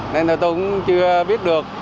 nên là tôi cũng chưa biết được